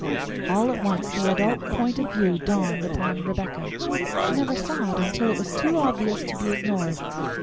All at once the adult point of view dawned upon Rebecca. She never saw it until it was too obvious to be ignored.